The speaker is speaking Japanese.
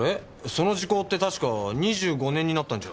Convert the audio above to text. その時効って確か２５年になったんじゃ？